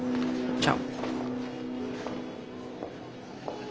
じゃあ。